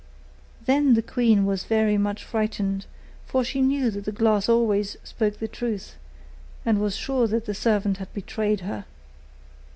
Then the queen was very much frightened; for she knew that the glass always spoke the truth, and was sure that the servant had betrayed her.